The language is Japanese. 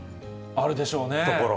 あるでしょうね。